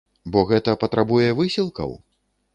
Бо гэта патрабуе высілкаў?